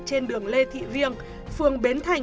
trên đường lê thị viêng phường bến thành